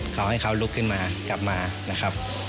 เขาให้เขาลุกขึ้นมากลับมานะครับ